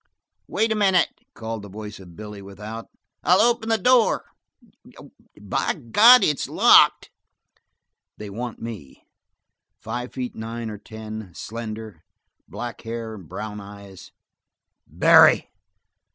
"Wait a minute," called the voice of Billy without. "I'll open the door. By God, it's locked!" "They want me five feet nine or ten, slender, black hair and brown eyes " "Barry!"